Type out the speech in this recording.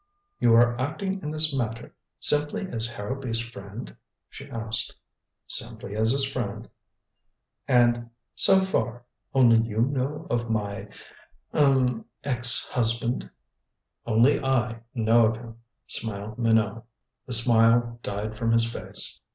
"You are acting in this matter simply as Harrowby's friend?" she asked. "Simply as his friend." "And so far only you know of my er ex husband?" "Only I know of him," smiled Minot. The smile died from his face.